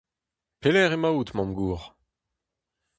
Pelec'h emaout Mamm-gozh ?